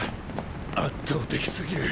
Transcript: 圧倒的すぎる。